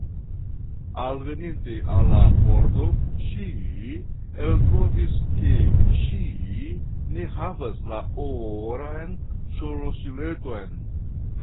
alveninte al la pordo, ŝi eltrovis ke ŝi ne havas la oran ŝlosileton.